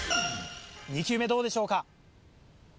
２球目どうでしょうか？